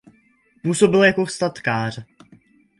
Působil jako statkář.